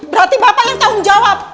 berarti bapak yang tahu menjawab